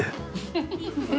フフフフ。